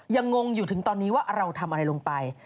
งงอยู่ถึงตอนนี้ว่าเราทำอะไรลงไป